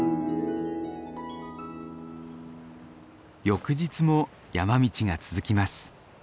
翌日も山道が続きます。